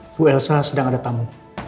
bu elsa sedang ada tamu